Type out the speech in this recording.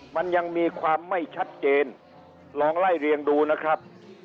มันยังมีความไม่ชัดเจนลองไล่เรียงดูนะครับ